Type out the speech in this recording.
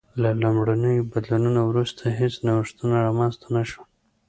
له لومړنیو بدلونونو وروسته هېڅ نوښتونه رامنځته نه شول